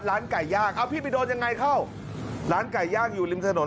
ร้านไก่ย่างเอาพี่ไปโดนยังไงเข้าร้านไก่ย่างอยู่ริมถนน